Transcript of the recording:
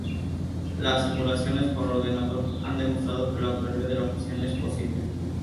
Las simulaciones por ordenador han demostrado que la teoría de la fusión es posible.